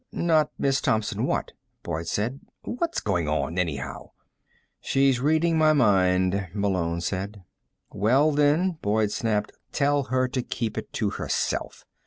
"Not Miss Thompson what?" Boyd said. "What's going on anyhow?" "She's reading my mind," Malone said. "Well, then," Boyd snapped, "tell her to keep it to herself."